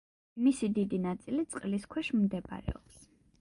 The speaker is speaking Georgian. მისი დიდი ნაწილი წყლის ქვეშ მდებარეობს.